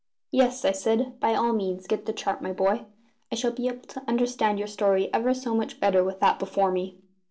"Yes," I said, "by all means get the chart, my boy. I shall be able to understand your story ever so much better with that before me."